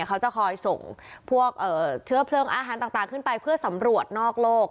เขาจะคอยส่งพวกเชื้อเพลิงอาหารต่างขึ้นไปเพื่อสำรวจนอกโลก